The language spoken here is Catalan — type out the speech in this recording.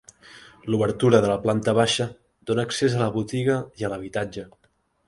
L'obertura de la planta baixa dóna accés a la botiga i a l'habitatge.